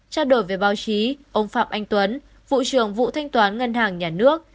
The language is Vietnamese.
trao đổi về báo chí ông phạm anh tuấn vụ trưởng vụ thanh toán ngân hàng nhà nước